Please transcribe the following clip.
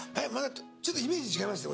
ちょっとイメージ違いましたよ。